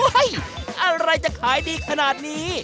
อะไรจะขายดีขนาดนี้